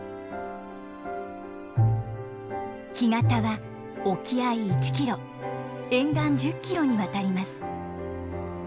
干潟は沖合１キロ沿岸１０キロにわたります。